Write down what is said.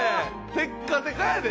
テッカテカやで！